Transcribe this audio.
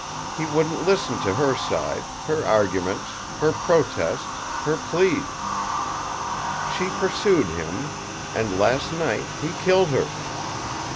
He wouldn't listen to her side, her arguments, her protests, her pleas. She pursued him; and last night he killed her.